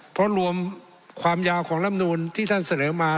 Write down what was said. เพราะรวมความยาวของลำนูนที่ท่านเสนอมา